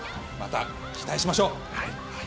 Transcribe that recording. また期待しましょう。